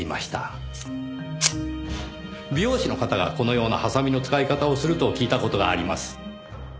美容師の方がこのようなハサミの使い方をすると聞いた事があります。